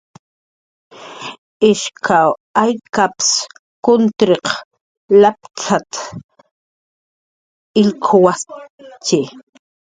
"Ishaw aykap""ps kuntirq latp""t""a illk""awajttxi."